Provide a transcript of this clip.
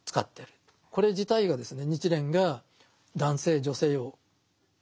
これ自体がですね